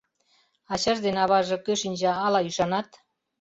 Ачаж ден аваже, кӧ шинча, ала ӱшанат?